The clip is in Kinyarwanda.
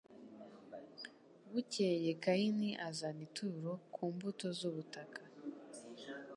bukeye kayini azana ituro ku mbuto z ubutaka